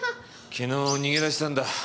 昨日逃げ出したんだ。